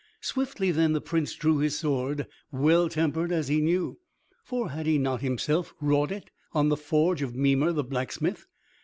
] Swiftly then the Prince drew his sword, well tempered as he knew, for had not he himself wrought it in the forge of Mimer the blacksmith?